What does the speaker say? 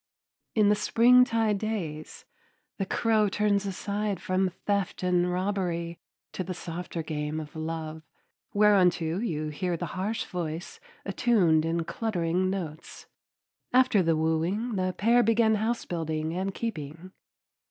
In the springtide days, the crow turns aside from theft and robbery to the softer game of love, whereunto you hear the harsh voice attuned in cluttering notes. After the wooing the pair begin house building and keeping.